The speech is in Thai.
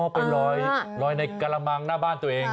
อ๋อเป็นลอยลอยในกระละมังหน้าบ้านตัวเอง